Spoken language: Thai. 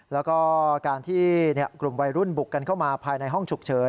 แล้วก็การที่กลุ่มวัยรุ่นบุกกันเข้ามาภายในห้องฉุกเฉิน